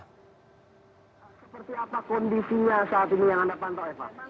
seperti apa kondisinya saat ini yang anda pantau eva